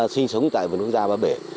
sinh sống tại vườn quốc gia ba bể